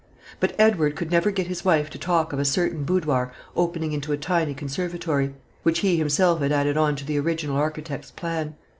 But Edward could never get his wife to talk of a certain boudoir opening into a tiny conservatory, which he himself had added on to the original architect's plan.